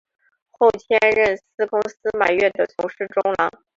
后迁任司空司马越的从事中郎。